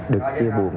được chia buồn